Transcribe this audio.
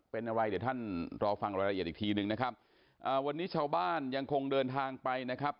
เป็นอะไรเดี๋ยวท่านรอฟังรายละเอียดอีกทีหนึ่งนะครับอ่าวันนี้ชาวบ้านยังคงเดินทางไปนะครับ